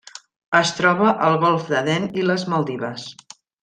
Es troba al Golf d'Aden i les Maldives.